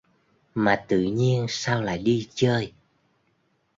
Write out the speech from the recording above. Mà tự nhiên sao lại đi chơi